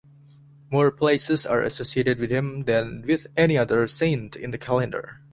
More places are associated with him than with any other saint in the calendar.